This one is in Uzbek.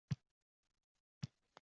Sig’inib bosh qo’yadir.